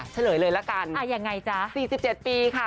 เฉลยเลยละกันยังไงจ๊ะ๔๗ปีค่ะ